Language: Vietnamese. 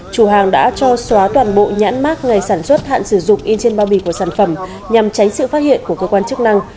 chủ hàng đã cho xóa toàn bộ nhãn mát ngày sản xuất hạn sử dụng in trên bao bì của sản phẩm nhằm tránh sự phát hiện của cơ quan chức năng